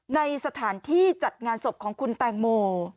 ในสถานที่จัดงานศพของคุณแตงโม